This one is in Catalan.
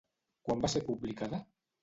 Quan va ser publicada?